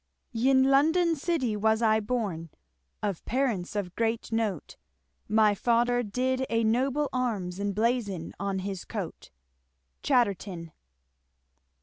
Ynne London citye was I borne, Of parents of grete note; My fadre dydd a nobile arms Emblazon onne hys cote. Chatterton.